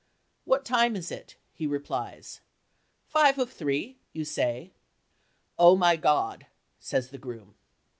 "What time is it?" he replies. "Five of three," you say. "Oh, my God!" says the groom.